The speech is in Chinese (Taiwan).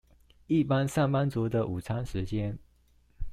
一般上班族的午餐時間